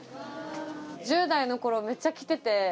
１０代の頃めっちゃ来てて。